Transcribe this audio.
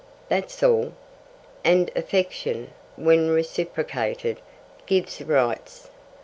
That's all. And affection, when reciprocated, gives rights.